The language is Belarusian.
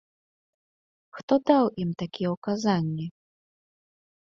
Хто даў ім такія ўказанні?